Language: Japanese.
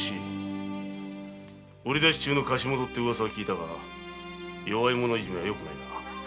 売り出し中の貸元ってウワサは聞いたが弱い者いじめはよくないな。